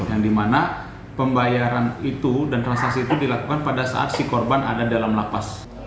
yang dimana pembayaran itu dan transaksi itu dilakukan pada saat si korban ada dalam lapas